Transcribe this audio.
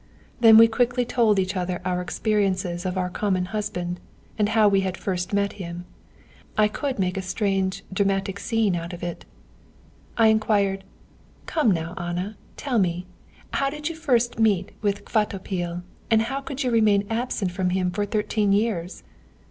Then we quickly told each other our experiences of our common husband, and how we first met him. I could make a strange dramatic scene out of it. "I inquired: 'Come now, Anna, tell me, how did you first meet with Kvatopil, and how could you remain absent from him for thirteen years?'